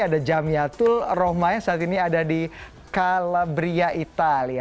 ada jamiatul rohma yang saat ini ada di calabria italia